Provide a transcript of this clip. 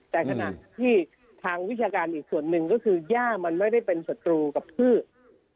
แต่ขณะที่ทางวิชาการอีกส่วนหนึ่งก็คือย่ามันไม่ได้เป็นศัตรูกับพืช